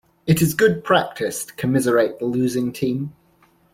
It is good practice to commiserate the losing team.